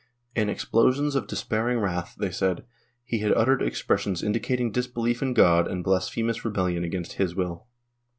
In explosions of despairing wrath, thej^ said, he had uttered expres sions indicating disbelief in God and blasphemous rebellion against His will.